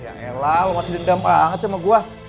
ya elah lo masih dendam banget sama gua